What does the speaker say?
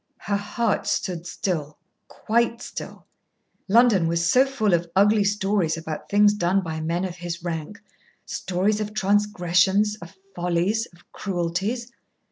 Her heart stood still, quite still. London was so full of ugly stories about things done by men of his rank stories of transgressions, of follies, of cruelties.